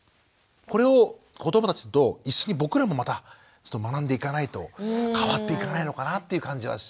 これを子どもたちと一緒に僕らもまた学んでいかないと変わっていかないのかなっていう感じはしましたね。